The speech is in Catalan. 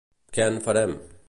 Què en farem?